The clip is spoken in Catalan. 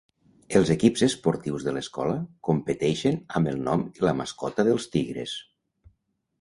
Els equips esportius de l'escola competeixen amb el nom i la mascota dels tigres.